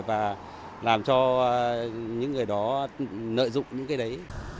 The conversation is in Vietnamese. và làm cho những người đó nợ dụng những cái đấy